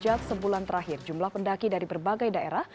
sejak sebulan terakhir jumlah pendaki dari berbagai daerah